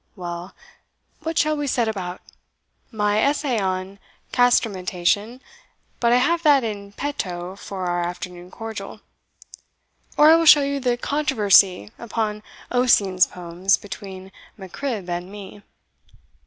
Well, what shall we set about? my Essay on Castrametation but I have that in petto for our afternoon cordial; or I will show you the controversy upon Ossian's Poems between Mac Cribb and me.